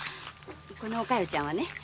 このお加代ちゃんはね